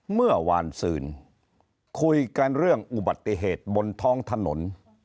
เมื่อวานซืนคุยกันเรื่องอุบัติเหตุบนท้องถนน